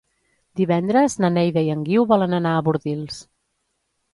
Divendres na Neida i en Guiu volen anar a Bordils.